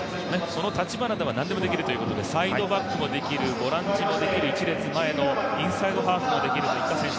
その橘田は何でもできるといういことでサイドバックもできる、ボランチもできる一列前のインサイドハーフもできる。